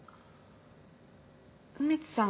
梅津さん。